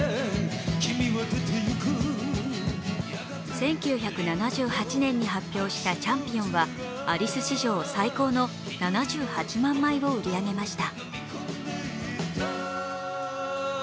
１９７８年に発表した「チャンピオン」はアリス史上最高の７８万枚を売り上げました。